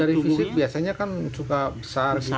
dari fisik biasanya kan suka besar